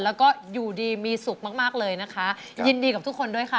แล้วก็อยู่ดีมีสุขมากมากเลยนะคะยินดีกับทุกคนด้วยค่ะ